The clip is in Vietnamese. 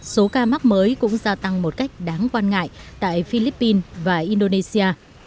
số ca mắc mới cũng gia tăng một cách đáng quan ngại tại philippines và indonesia